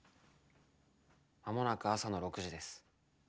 間もなく朝の６時です。